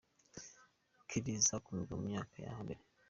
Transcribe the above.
Kelly zakunzwe mu myaka yo hambere.